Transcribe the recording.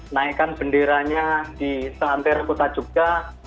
naikkan benderanya di selantir kota jogja